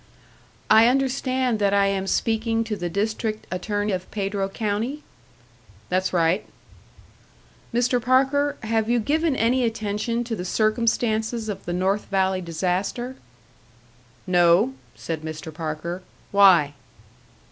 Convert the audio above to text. "I understand that I am speaking to the District Attorney of Pedro County?" "That's right." "Mr. Parker, have you given any attention to the circumstances of the North Valley disaster?" "No," said Mr. Parker. "Why?"